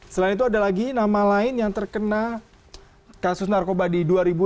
selain itu ada lagi nama lain yang terkena kasus narkoba di dua ribu enam belas